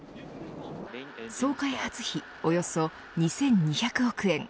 総開発費およそ２２００億円。